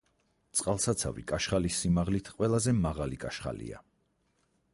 წყალსაცავი კაშხლის სიმაღლით, ყველაზე მაღალი კაშხალია.